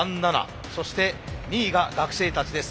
そして２位が学生たちです。